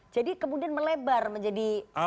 jadi kemudian melebar menjadi soal lain